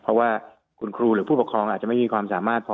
เพราะว่าคุณครูหรือผู้ปกครองอาจจะไม่มีความสามารถพอ